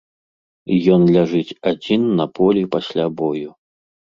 І ён ляжыць адзін на полі пасля бою.